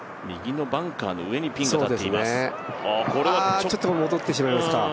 右のバンカーの上にピンが立っています。